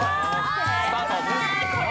スタート！